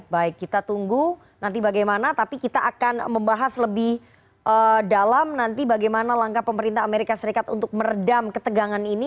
baik kita tunggu nanti bagaimana tapi kita akan membahas lebih dalam nanti bagaimana langkah pemerintah amerika serikat untuk meredam ketegangan ini